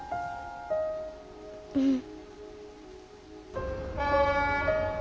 うん。